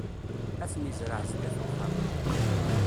Ad ten-izreε zdat uxxam.